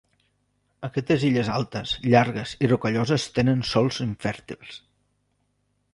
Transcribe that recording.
Aquestes illes altes, llargues i rocalloses tenen sòls infèrtils.